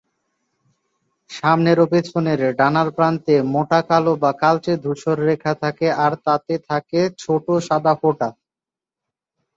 সামনের ও পেছনের ডানার প্রান্তে মোটা কালো বা কালচে-ধূসর রেখা থাকে; আর তাতে থাকে ছোট সাদা ফোঁটা।